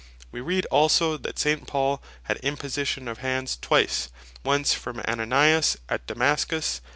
We read also, that St. Paul had Imposition of Hands twice; once from Ananias at Damascus (Acts 9.